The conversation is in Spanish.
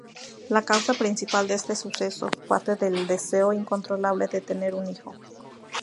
La causa principal de este suceso parte del deseo incontrolable de tener un hijo.